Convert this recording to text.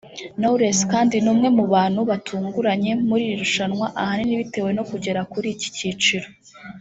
Knowless kandi ni umwe mu bantu batunguranye muri iri rushanwa ahanini bitewe no kugera kuri iki kiciro